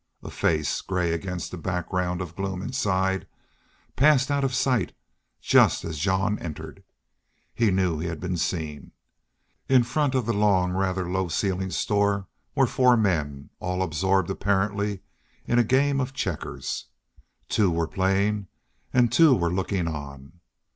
A face, gray against the background of gloom inside, passed out of sight just as Jean entered. He knew he had been seen. In front of the long, rather low ceiled store were four men, all absorbed, apparently, in a game of checkers. Two were playing and two were looking on.